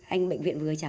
anh bệnh viện vừa trả